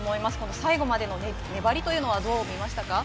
最後までの粘りはどう見ましたか？